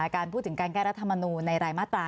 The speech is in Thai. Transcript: การพูดถึงการแก้รัฐมนูลในรายมาตรา